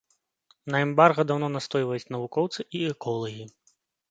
На эмбарга даўно настойваюць навукоўцы і эколагі.